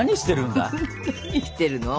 何してるの？